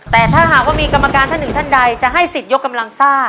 แต่ถ้าหากว่ามีกรรมการท่านหนึ่งท่านใดจะให้สิทธิ์ยกกำลังซ่า